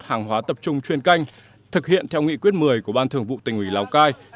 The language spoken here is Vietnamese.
hàng hóa tập trung chuyên canh thực hiện theo nghị quyết một mươi của ban thường vụ tỉnh ủy lào cai